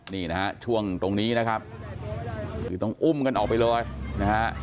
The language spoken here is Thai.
นี่นะฮะช่วงตรงนี้นะครับคือต้องอุ้มกันออกไปเลยนะฮะ